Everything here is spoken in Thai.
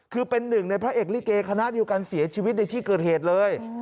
คือเป็นหนึ่งในพระเอกลิเกคณะเดียวกันเสียชีวิตในที่เกิดเหตุเลย